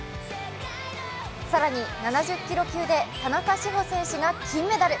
更に７０キロ級で田中志歩選手が金メダル。